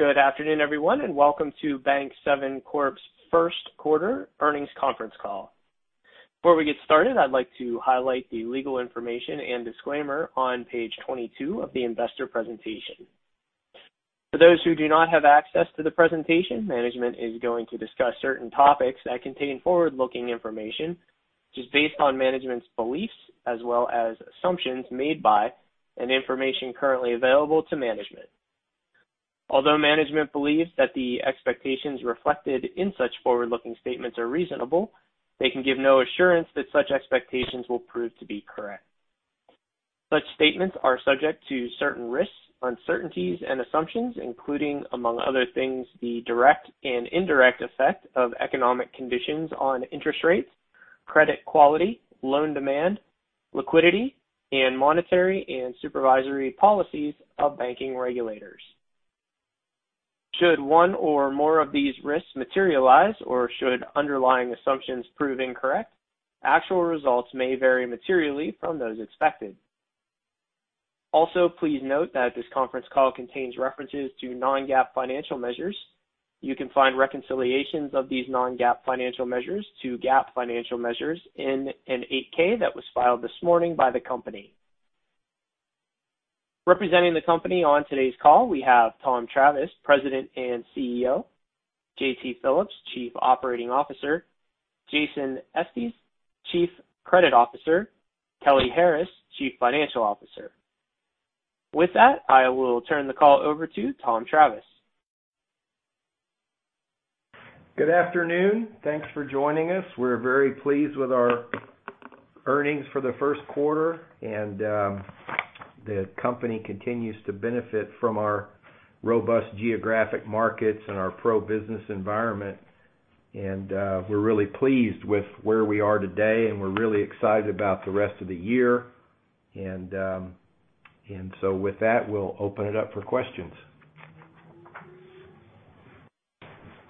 Good afternoon, everyone, and welcome to Bank7 Corp's first quarter earnings conference call. Before we get started, I'd like to highlight the legal information and disclaimer on page 22 of the investor presentation. For those who do not have access to the presentation, management is going to discuss certain topics that contain forward-looking information, which is based on management's beliefs as well as assumptions made by and information currently available to management. Although management believes that the expectations reflected in such forward-looking statements are reasonable, they can give no assurance that such expectations will prove to be correct. Such statements are subject to certain risks, uncertainties, and assumptions, including, among other things, the direct and indirect effect of economic conditions on interest rates, credit quality, loan demand, liquidity, and monetary and supervisory policies of banking regulators. Should one or more of these risks materialize or should underlying assumptions prove incorrect, actual results may vary materially from those expected. Also, please note that this conference call contains references to non-GAAP financial measures. You can find reconciliations of these non-GAAP financial measures to GAAP financial measures in an 8-K that was filed this morning by the company. Representing the company on today's call, we have Tom Travis, President and CEO, J.T. Phillips, Chief Operating Officer, Jason Estes, Chief Credit Officer, Kelly Harris, Chief Financial Officer. With that, I will turn the call over to Tom Travis. Good afternoon. Thanks for joining us. We're very pleased with our earnings for the first quarter, and the company continues to benefit from our robust geographic markets and our pro-business environment. We're really pleased with where we are today, and we're really excited about the rest of the year. With that, we'll open it up for questions.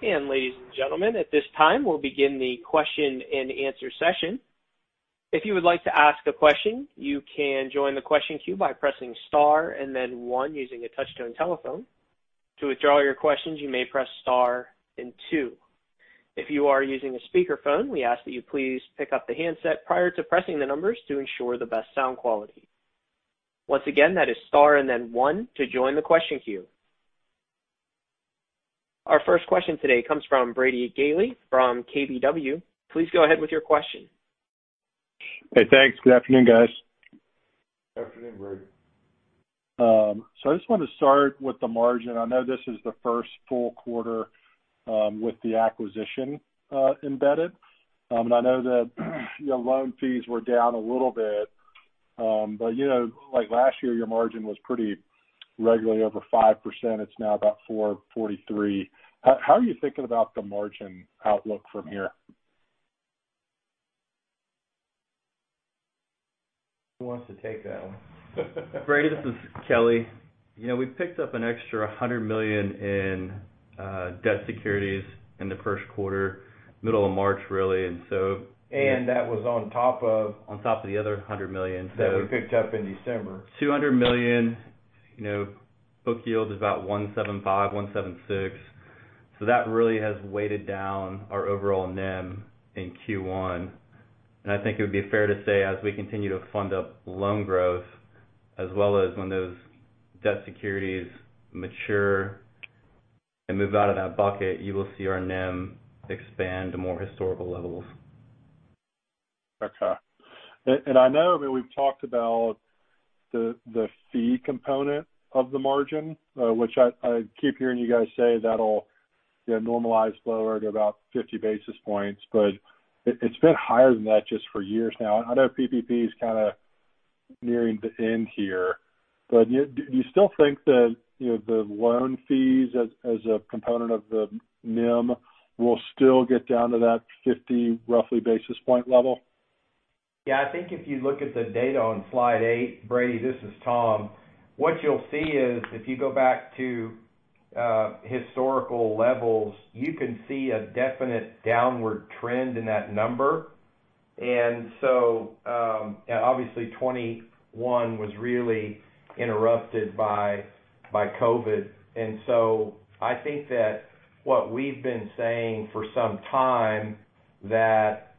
Ladies and gentlemen, at this time, we'll begin the question-and-answer session. If you would like to ask a question, you can join the question queue by pressing star and then one using a touch-tone telephone. To withdraw your questions, you may press star and two. If you are using a speakerphone, we ask that you please pick up the handset prior to pressing the numbers to ensure the best sound quality. Once again, that is star and then one to join the question queue. Our first question today comes from Brady Gailey from KBW. Please go ahead with your question. Hey, thanks. Good afternoon, guys. Good afternoon, Brady. I just wanted to start with the margin. I know this is the first full quarter with the acquisition embedded. I know that your loan fees were down a little bit. You know, like, last year, your margin was pretty regularly over 5%. It's now about 4.43%. How are you thinking about the margin outlook from here? Who wants to take that one? Brady, this is Kelly. You know, we picked up an extra $100 million in debt securities in the first quarter, middle of March, really. That was on top of, on top of the other $100 million that we picked up in December. $200 million, you know, book yield is about 1.75%-1.76%. That really has weighed down our overall NIM in Q1. I think it would be fair to say as we continue to fund up loan growth as well as when those debt securities mature and move out of that bucket, you will see our NIM expand to more historical levels. Okay. I know that we've talked about the fee component of the margin, which I keep hearing you guys say that'll, you know, normalize lower to about 50 basis points. It's been higher than that just for years now. I know PPP is kinda nearing the end here, but do you still think that, you know, the loan fees as a component of the NIM will still get down to that roughly 50 basis point level? Yeah. I think if you look at the data on slide eight, Brady, this is Tom. What you'll see is if you go back to historical levels, you can see a definite downward trend in that number. Obviously, 2021 was really interrupted by COVID. I think that what we've been saying for some time that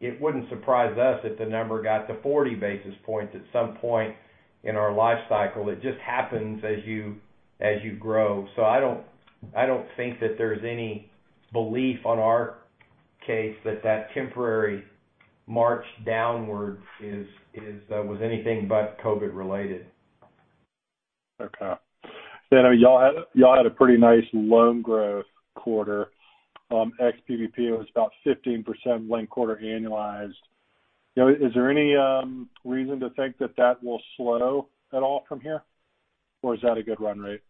it wouldn't surprise us if the number got to 40 basis points at some point in our life cycle. It just happens as you grow. I don't think that there's any belief on our case that that temporary march downward was anything but COVID related. Okay, you know, y'all had a pretty nice loan growth quarter, ex-PPP, it was about 15% linked quarter annualized. You know, is there any reason to think that that will slow at all from here, or is that a good run rate?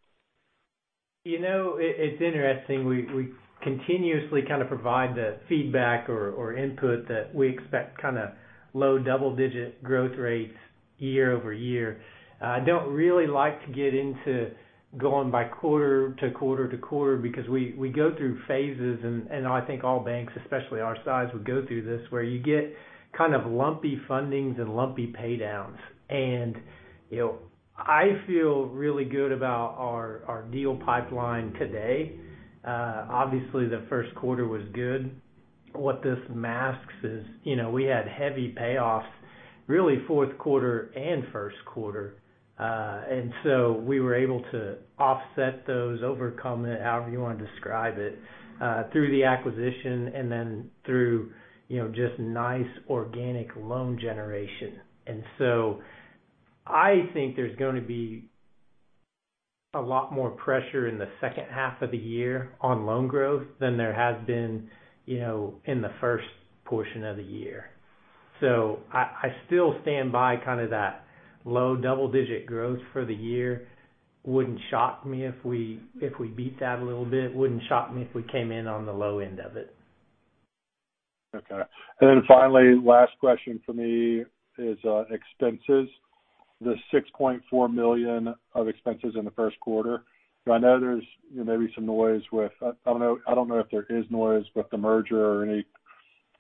You know, it's interesting. We continuously kind of provide the feedback or input that we expect kinda low double-digit growth rates year-over-year. I don't really like to get into going by quarter to quarter to quarter because we go through phases and I think all banks, especially our size, would go through this, where you get kind of lumpy fundings and lumpy pay downs. You know, I feel really good about our deal pipeline today. Obviously, the first quarter was good. What this masks is, you know, we had heavy payoffs really fourth quarter and first quarter. We were able to offset those, overcome it, however you wanna describe it, through the acquisition and then through, you know, just nice organic loan generation. I think there's gonna be a lot more pressure in the second half of the year on loan growth than there has been, you know, in the first portion of the year. I still stand by kinda that low double-digit growth for the year. Wouldn't shock me if we beat that a little bit. Wouldn't shock me if we came in on the low end of it. Okay. Finally, last question for me is expenses. The $6.4 million of expenses in the first quarter. I know there's, you know, maybe some noise. I don't know if there is noise with the merger or any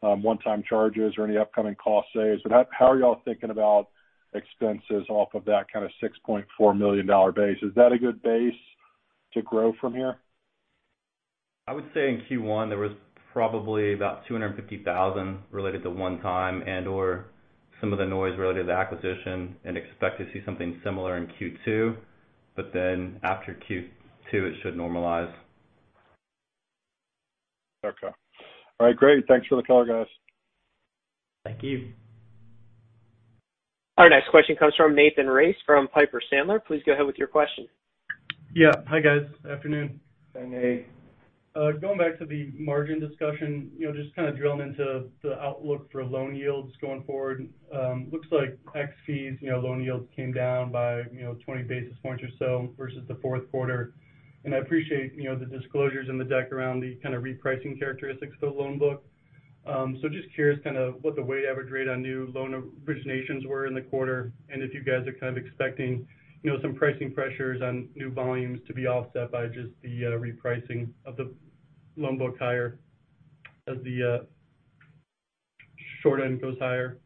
one-time charges or any upcoming cost saves. How are y'all thinking about expenses off of that kinda $6.4 million base? Is that a good base to grow from here? I would say in Q1, there was probably about $250,000 related to one-time and/or some of the noise related to the acquisition, and expect to see something similar in Q2. After Q2, it should normalize. Okay. All right. Great. Thanks for the call, guys. Thank you. Our next question comes from Nathan Race from Piper Sandler. Please go ahead with your question. Yeah. Hi, guys. Afternoon. Hi, Nate. Going back to the margin discussion, you know, just kinda drilling into the outlook for loan yields going forward. Looks like ex fees, you know, loan yields came down by, you know, 20 basis points or so versus the fourth quarter. I appreciate, you know, the disclosures in the deck around the kinda repricing characteristics of the loan book. So just curious kinda what the weighted average rate on new loan originations were in the quarter, and if you guys are kind of expecting, you know, some pricing pressures on new volumes to be offset by just the repricing of the loan book higher as the short end goes higher.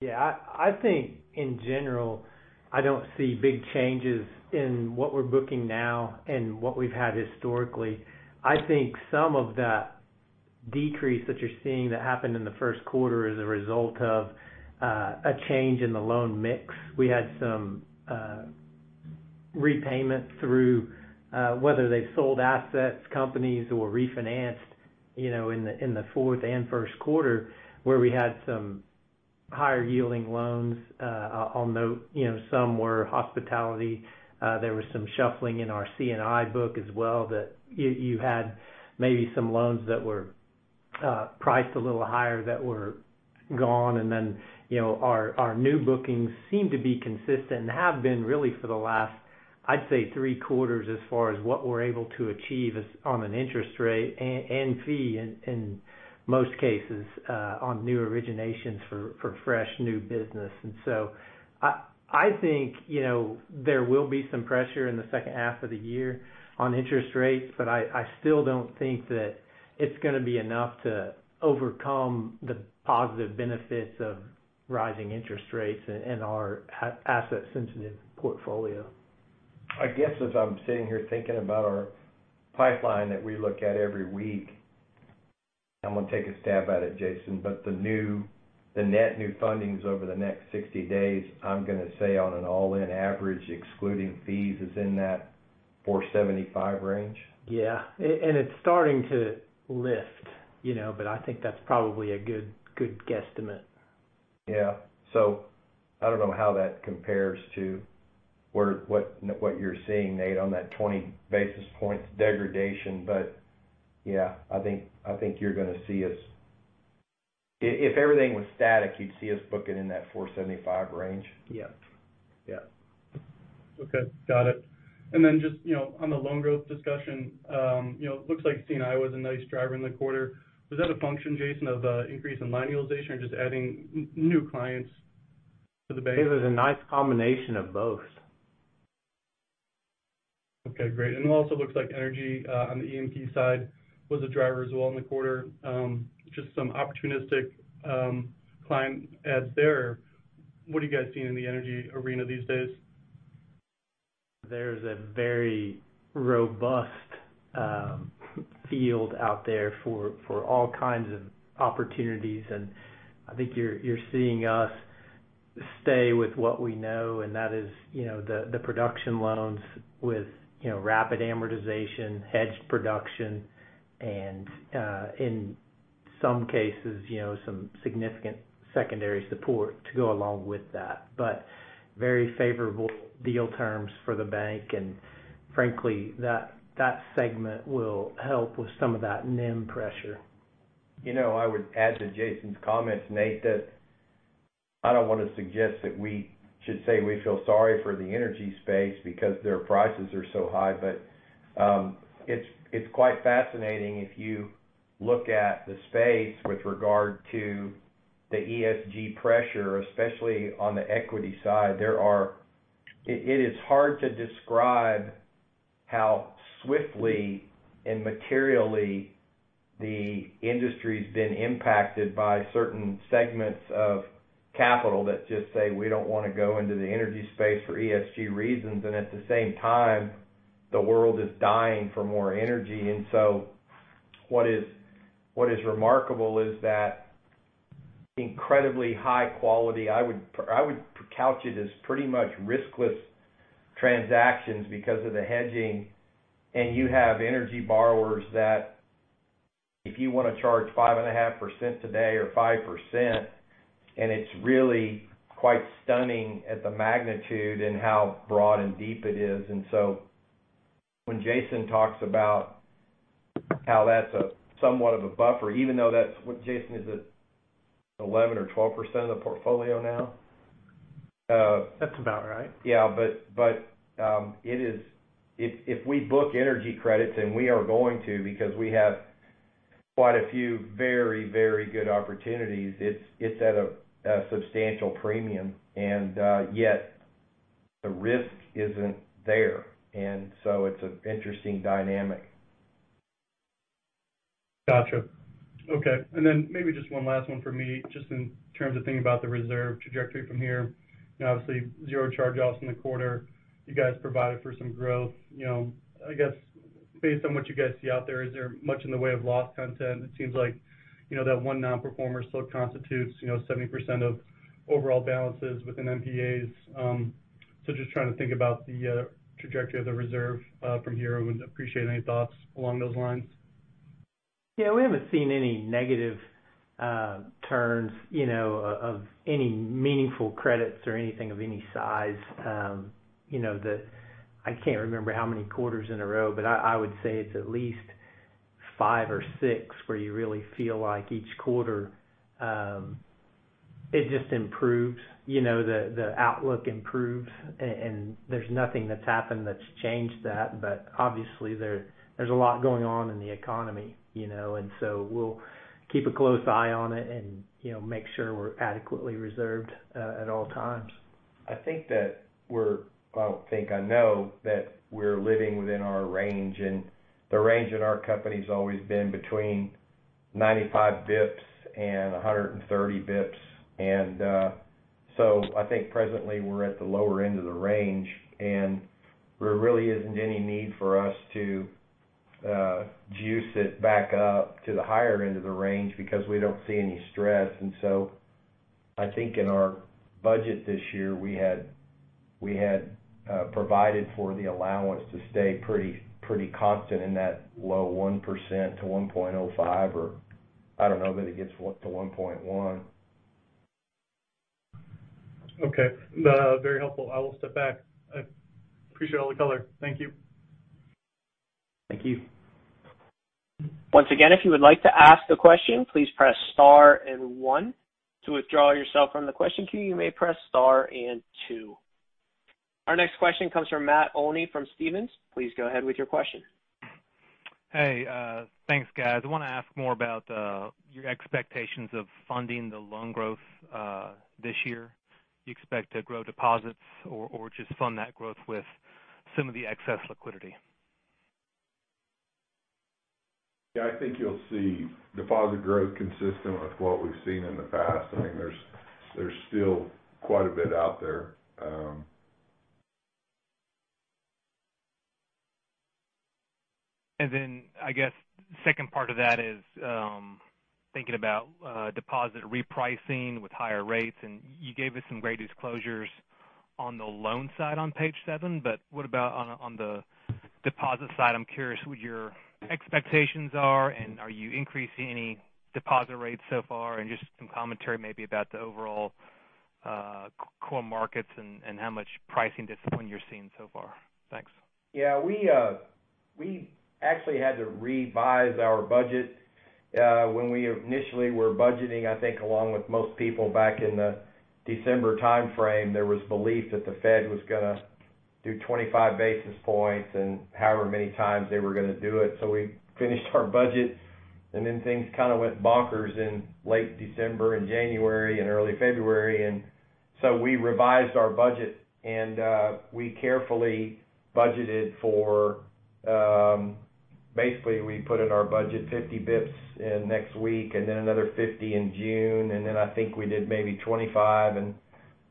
Yeah. I think in general, I don't see big changes in what we're booking now and what we've had historically. I think some of that decrease that you're seeing that happened in the first quarter is a result of a change in the loan mix. We had some repayment through whether they sold assets, companies who were refinanced, you know, in the fourth and first quarter, where we had some higher yielding loans. I'll note, you know, some were hospitality. There was some shuffling in our C&I book as well that you had maybe some loans that were priced a little higher that were gone. You know, our new bookings seem to be consistent and have been really for the last, I'd say, three quarters as far as what we're able to achieve. On an interest rate and fee income, in most cases, on new originations for fresh new business. I think, you know, there will be some pressure in the second half of the year on interest rates, but I still don't think that it's gonna be enough to overcome the positive benefits of rising interest rates in our asset sensitive portfolio. I guess as I'm sitting here thinking about our pipeline that we look at every week, I'm gonna take a stab at it, Jason. The net new fundings over the next 60 days, I'm gonna say on an all-in average, excluding fees, is in that $475 range. Yeah. And it's starting to lift, you know, but I think that's probably a good guesstimate. Yeah. I don't know how that compares to what you're seeing, Nathan, on that 20 basis points degradation. Yeah, I think you're gonna see us. If everything was static, you'd see us booking in that 475 range. Yeah. Yeah. Okay. Got it. Just, you know, on the loan growth discussion, you know, looks like C&I was a nice driver in the quarter. Was that a function, Jason, of, increase in loan utilization or just adding new clients to the bank? It was a nice combination of both. Okay, great. It also looks like energy, on the E&P side was a driver as well in the quarter. Just some opportunistic client adds there. What are you guys seeing in the energy arena these days? There's a very robust field out there for all kinds of opportunities, and I think you're seeing us stay with what we know, and that is, you know, the production loans with, you know, rapid amortization, hedged production, and in some cases, you know, some significant secondary support to go along with that. Very favorable deal terms for the bank. Frankly, that segment will help with some of that NIM pressure. You know, I would add to Jason's comments, Nate, that I don't wanna suggest that we should say we feel sorry for the energy space because their prices are so high. It's quite fascinating if you look at the space with regard to the ESG pressure, especially on the equity side. It is hard to describe how swiftly and materially the industry's been impacted by certain segments of capital that just say, we don't wanna go into the energy space for ESG reasons. At the same time, the world is dying for more energy. What is remarkable is that incredibly high quality, I would couch it as pretty much riskless transactions because of the hedging. You have energy borrowers that if you wanna charge 5.5% today or 5%, and it's really quite stunning at the magnitude in how broad and deep it is. When Jason talks about how that's somewhat of a buffer, even though that's what, Jason, is it 11% or 12% of the portfolio now? That's about right. It is if we book energy credits, and we are going to because we have quite a few very good opportunities. It's at a substantial premium, and yet the risk isn't there. It's an interesting dynamic. Gotcha. Okay. Then maybe just one last one for me. Just in terms of thinking about the reserve trajectory from here, you know, obviously zero charge-offs in the quarter, you guys provided for some growth. You know, I guess based on what you guys see out there, is there much in the way of loss content? It seems like, you know, that one nonperformer still constitutes, you know, 70% of overall balances within NPAs. Just trying to think about the trajectory of the reserve from here. I would appreciate any thoughts along those lines. Yeah, we haven't seen any negative turns, you know, of any meaningful credits or anything of any size. You know, I can't remember how many quarters in a row, but I would say it's at least five or six where you really feel like each quarter, it just improves, you know, the outlook improves. There's nothing that's happened that's changed that, but obviously there's a lot going on in the economy, you know. We'll keep a close eye on it and, you know, make sure we're adequately reserved at all times. I think that, I don't think I know that we're living within our range, and the range at our company's always been between 95 basis points and 130 basis points. I think presently we're at the lower end of the range, and there really isn't any need for us to juice it back up to the higher end of the range because we don't see any stress. I think in our budget this year, we had provided for the allowance to stay pretty constant in that low 1%-1.05%, or I don't know that it gets to 1.1%. Okay. Very helpful. I will step back. I appreciate all the color. Thank you. Thank you. Once again, if you would like to ask a question, please press star and one. To withdraw yourself from the question queue, you may press star and two. Our next question comes from Matt Olney from Stephens. Please go ahead with your question. Hey, thanks, guys. I wanna ask more about your expectations of funding the loan growth this year. Do you expect to grow deposits or just fund that growth with some of the excess liquidity? Yeah, I think you'll see deposit growth consistent with what we've seen in the past. I mean, there's still quite a bit out there. I guess second part of that is, thinking about, deposit repricing with higher rates, and you gave us some great disclosures on the loan side on page seven, but what about on the deposit side? I'm curious what your expectations are and are you increasing any deposit rates so far? Just some commentary maybe about the overall, core markets and how much pricing discipline you're seeing so far. Thanks. Yeah, we actually had to revise our budget when we initially were budgeting. I think along with most people back in the December timeframe, there was belief that the Fed was gonna do 25 basis points and however many times they were gonna do it. We finished our budget, and then things kind of went bonkers in late December and January and early February. We revised our budget and we carefully budgeted for basically we put in our budget 50 bps next week and then another 50 in June. I think we did maybe 25 and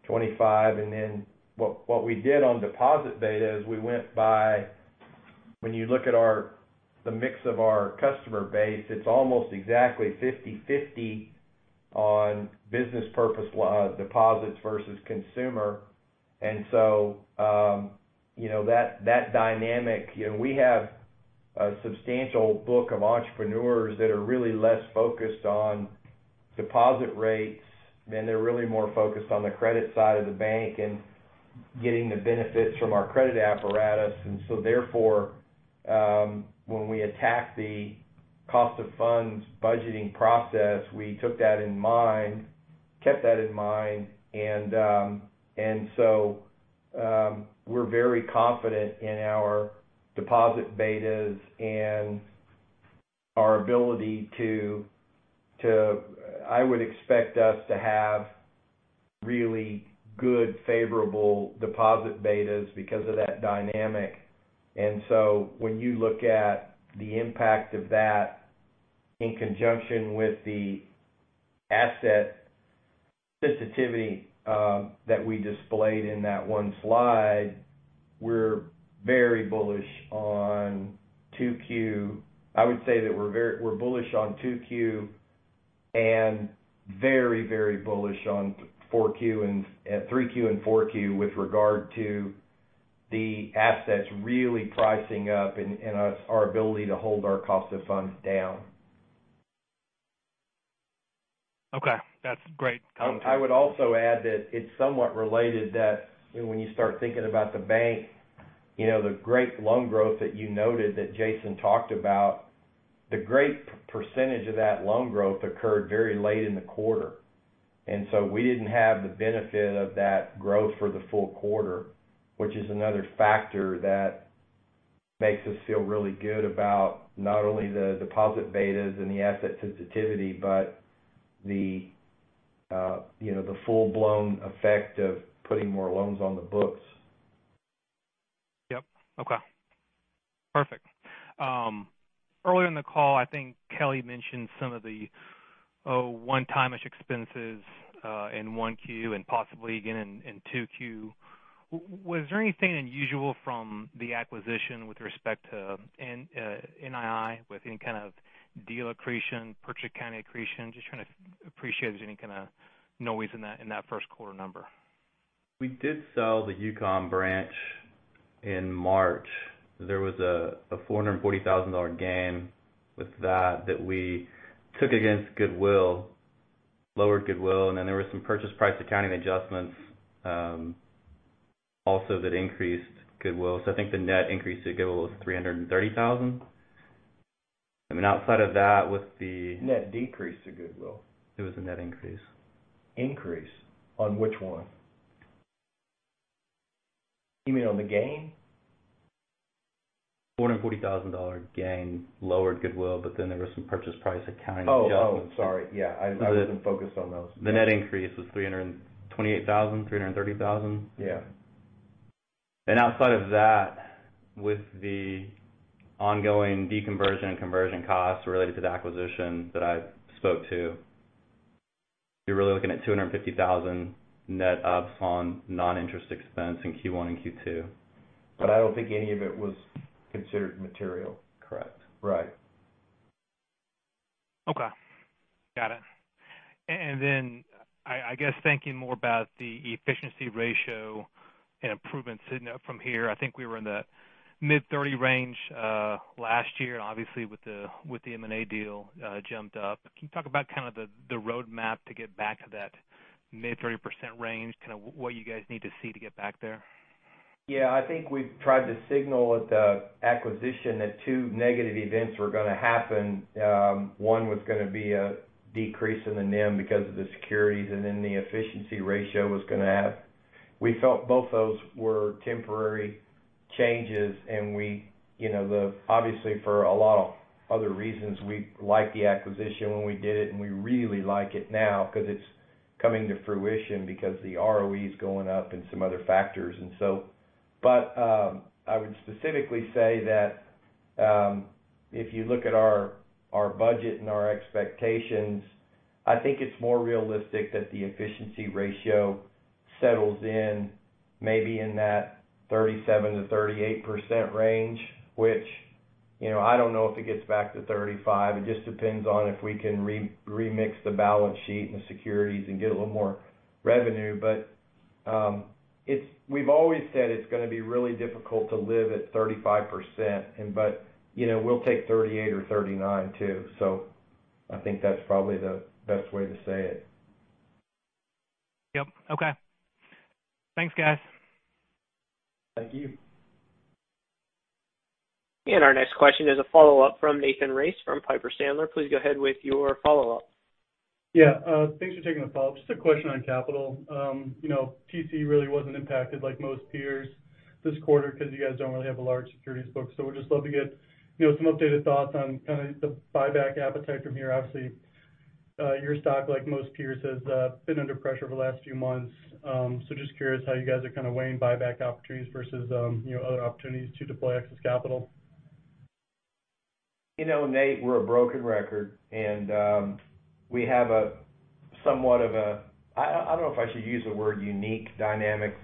25. What we did on deposit beta is we went by when you look at our mix of our customer base. It's almost exactly 50/50 on business purpose deposits versus consumer. You know, that dynamic, we have a substantial book of entrepreneurs that are really less focused on deposit rates than they're really more focused on the credit side of the bank and getting the benefits from our credit apparatus. Therefore, when we attacked the cost of funds budgeting process, we took that in mind, kept that in mind. We're very confident in our deposit betas and our ability to. I would expect us to have really good favorable deposit betas because of that dynamic. When you look at the impact of that in conjunction with the asset sensitivity that we displayed in that one slide, we're very bullish on 2Q. I would say that we're very bullish on 2Q and very, very bullish on 4Q and 3Q and 4Q with regard to the assets really pricing up and our ability to hold our cost of funds down. Okay, that's great commentary. I would also add that it's somewhat related that when you start thinking about the bank, you know, the great loan growth that you noted that Jason talked about, the great percentage of that loan growth occurred very late in the quarter. We didn't have the benefit of that growth for the full quarter, which is another factor that makes us feel really good about not only the deposit betas and the asset sensitivity, but the, you know, the full-blown effect of putting more loans on the books. Yep. Okay. Perfect. Earlier in the call, I think Kelly mentioned some of the one-timish expenses in 1Q and possibly again in 2Q. Was there anything unusual from the acquisition with respect to NII with any kind of deal accretion, purchase accounting accretion? Just trying to appreciate if there's any kind of noise in that first quarter number. We did sell the Yukon branch in March. There was a $440,000 gain with that we took against goodwill, lowered goodwill, and then there were some purchase price accounting adjustments also that increased goodwill. I think the net increase to goodwill was $330,000. I mean, outside of that, with the- Net decrease to goodwill. It was a net increase. Increase? On which one? You mean on the gain? $440,000 gain lowered goodwill, but then there was some purchase price accounting adjustments. Oh, sorry. Yeah, I wasn't focused on those. The net increase was $328,330. Yeah. Outside of that, with the ongoing deconversion and conversion costs related to the acquisition that I spoke to, you're really looking at $250,000 net ups on non-interest expense in Q1 and Q2. I don't think any of it was considered material. Correct. Right. Okay. Got it. Then I guess thinking more about the efficiency ratio and improvements from here, I think we were in the mid-30 range last year, obviously with the M&A deal, jumped up. Can you talk about kind of the roadmap to get back to that mid-30% range, kind of what you guys need to see to get back there? Yeah. I think we've tried to signal at the acquisition that two negative events were gonna happen. One Was gonna be a decrease in the NIM because of the securities, and then the efficiency ratio was gonna add. We felt both those were temporary changes, and we, you know, obviously, for a lot of other reasons, we like the acquisition when we did it, and we really like it now 'cause it's coming to fruition because the ROE is going up and some other factors and so. I would specifically say that, if you look at our budget and our expectations, I think it's more realistic that the efficiency ratio settles in maybe in that 37%-38% range, which, you know, I don't know if it gets back to 35%. It just depends on if we can remix the balance sheet and the securities and get a little more revenue. We've always said it's gonna be really difficult to live at 35%, but you know, we'll take 38% or 39% too. I think that's probably the best way to say it. Yep. Okay. Thanks, guys. Thank you. Our next question is a follow-up from Nathan Race from Piper Sandler. Please go ahead with your follow-up. Yeah, thanks for taking the follow-up. Just a question on capital. You know, TCE really wasn't impacted like most peers this quarter because you guys don't really have a large securities book. So we'd just love to get, you know, some updated thoughts on kind of the buyback appetite from here. Obviously, your stock, like most peers, has been under pressure over the last few months. So just curious how you guys are kind of weighing buyback opportunities versus, you know, other opportunities to deploy excess capital. You know, Nate, we're a broken record, and we have somewhat of a. I don't know if I should use the word unique dynamic.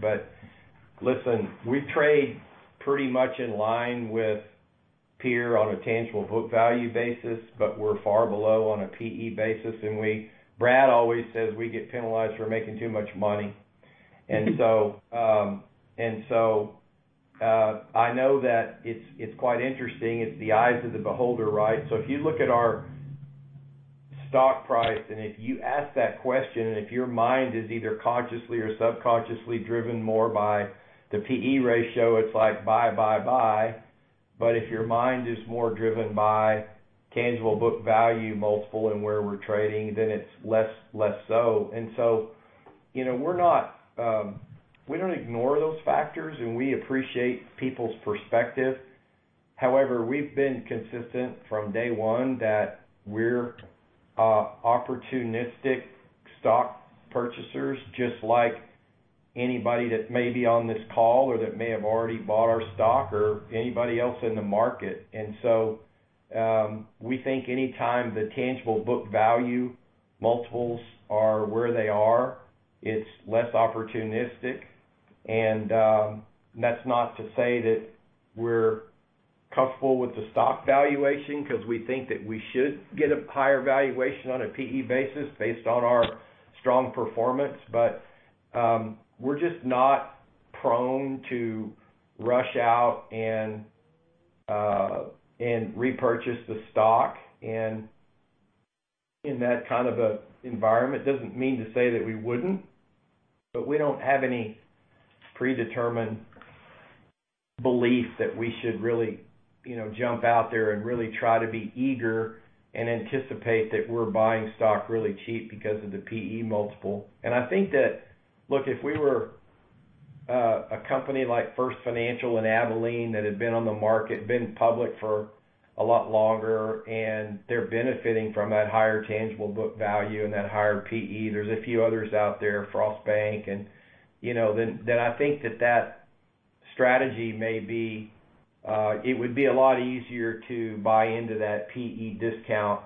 Listen, we trade pretty much in line with peer on a tangible book value basis, but we're far below on a PE basis, and we, Brad always says we get penalized for making too much money. I know that it's quite interesting. It's the eye of the beholder, right? If you look at our stock price, and if you ask that question, and if your mind is either consciously or subconsciously driven more by the PE ratio, it's like buy, buy. If your mind is more driven by tangible book value multiple, and where we're trading, then it's less so. You know, we're not, we don't ignore those factors, and we appreciate people's perspective. However, we've been consistent from day one that we're opportunistic stock purchasers, just like anybody that may be on this call or that may have already bought our stock or anybody else in the market. We think any time the tangible book value multiples are where they are, it's less opportunistic. That's not to say that we're comfortable with the stock valuation because we think that we should get a higher valuation on a PE basis based on our strong performance. We're just not prone to rush out and repurchase the stock in that kind of a environment. Doesn't mean to say that we wouldn't, but we don't have any predetermined belief that we should really, you know, jump out there and really try to be eager and anticipate that we're buying stock really cheap because of the PE multiple. I think that, look, if we were a company like First Financial and Abilene that had been on the market, been public for a lot longer, and they're benefiting from that higher tangible book value and that higher PE, there's a few others out there, Frost Bank and, you know, then I think that that strategy may be it would be a lot easier to buy into that PE discount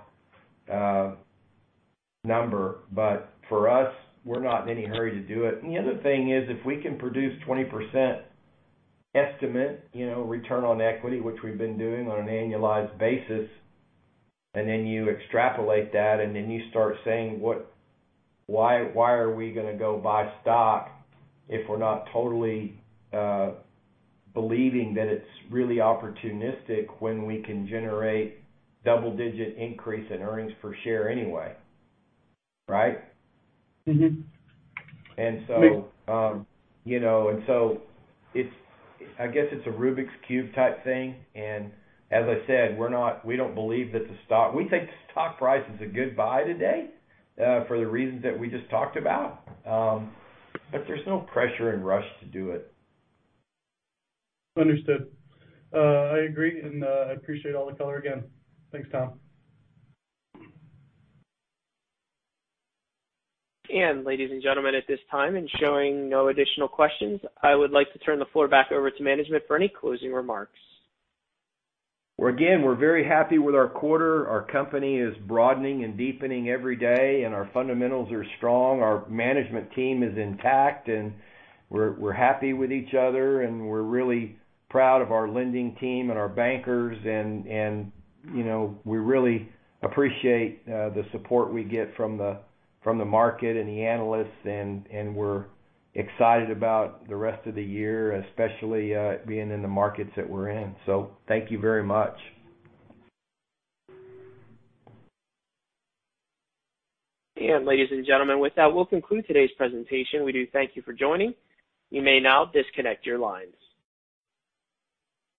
number. But for us, we're not in any hurry to do it. The other thing is, if we can produce 20% estimate, you know, return on equity, which we've been doing on an annualized basis, and then you extrapolate that and then you start saying, why are we gonna go buy stock if we're not totally believing that it's really opportunistic when we can generate double-digit increase in earnings per share anyway, right? Mm-hmm. And so, you know, I guess it's a Rubik's Cube type thing. As I said, we don't believe that the stock. We think the stock price is a good buy today, for the reasons that we just talked about. There's no pressure and rush to do it. Understood. I agree, and I appreciate all the color again. Thanks, Tom. Ladies and gentlemen, at this time and showing no additional questions, I would like to turn the floor back over to management for any closing remarks. Well, again, we're very happy with our quarter. Our company is broadening and deepening every day, and our fundamentals are strong. Our management team is intact, and we're happy with each other, and we're really proud of our lending team and our bankers and, you know, we really appreciate the support we get from the market and the analysts and we're excited about the rest of the year, especially being in the markets that we're in. Thank you very much. Ladies and gentlemen, with that, we'll conclude today's presentation. We do thank you for joining. You may now disconnect your lines.